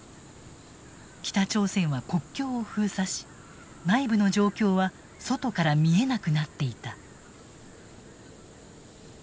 北朝鮮は国境を封鎖し内部の状況は外から見えなくなっていた。